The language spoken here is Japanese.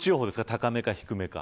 高めか低めか。